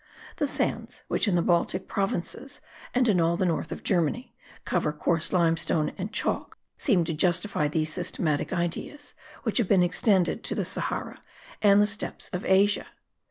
The sands which in the Baltic provinces and in all the north of Germany, cover coarse limestone and chalk, seem to justify these systematic ideas, which have been extended to the Sahara and the steppes of Asia.